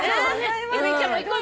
由美ちゃんも行こう。